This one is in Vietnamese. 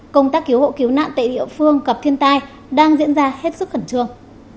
công tác cứu hộ cứu nạn tại địa phương gặp thiên tai đang diễn ra hết sức khẩn trương